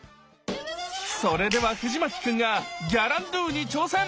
それでは藤牧君が「ギャランドゥ」に挑戦。